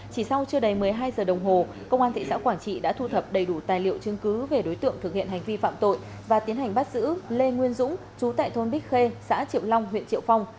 chỉ sau chưa đầy một mươi hai giờ đồng hồ công an thị xã quảng trị đã thu thập đầy đủ tài liệu chứng cứ về đối tượng thực hiện hành vi phạm tội và tiến hành bắt giữ lê nguyên dũng chú tại thôn bích khê xã triệu long huyện triệu phong